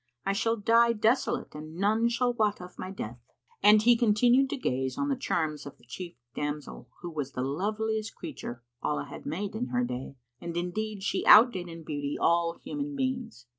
I shall die desolate and none shall wot of my death." And he continued to gaze on the charms of the chief damsel, who was the lovliest creature Allah had made in her day, and indeed she outdid in beauty all human beings.